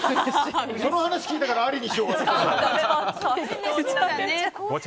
その話聞いたからありにしようかな。